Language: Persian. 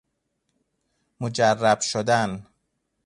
مجرب شدن